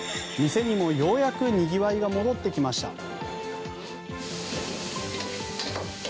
店にもようやくにぎわいが戻ってきました。